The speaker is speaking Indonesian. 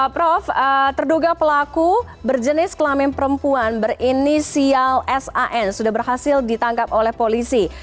prof terduga pelaku berjenis kelamin perempuan berinisial san sudah berhasil ditangkap oleh polisi